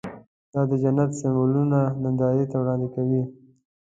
دا د جنت سمبولونه نندارې ته وړاندې کوي.